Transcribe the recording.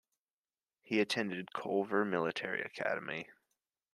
He attended Culver Military Academy.